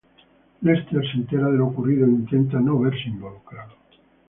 Lester se entera de lo ocurrido e intenta no verse involucrado.